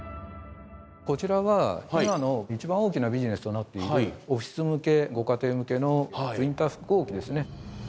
こちらは今の一番大きなビジネスとなっているオフィス向けご家庭向けのプリンター・複合機ですね。